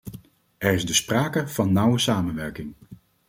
Er is dus sprake van nauwe samenwerking.